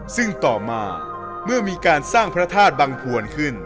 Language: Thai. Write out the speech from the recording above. ซึ่งต่อมาเมื่อมีการสร้างพระธาตุบังพวนขึ้น